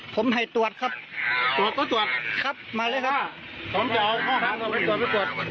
ผมจะเอาข้อถาของตัวตัวตัวตัว